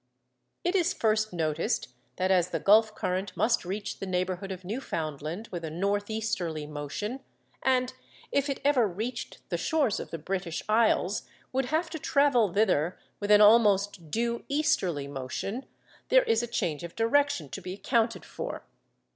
It is first noticed that, as the Gulf current must reach the neighbourhood of Newfoundland with a north easterly motion, and, if it ever reached the shores of the British Isles, would have to travel thither with an almost due easterly motion, there is a change of direction to be accounted for.